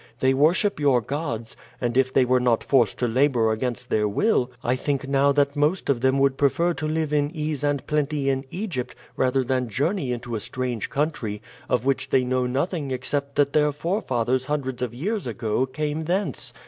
They worship your gods, and if they were not forced to labor against their will I think now that most of them would prefer to live in ease and plenty in Egypt rather than journey into a strange country, of which they know nothing except that their forefathers hundreds of years ago came thence.